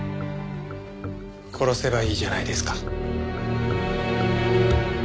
殺せばいいじゃないですか。